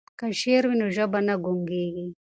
که شعر وي نو ژبه نه ګونګیږي.